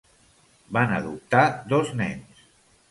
Van adoptar dos nens.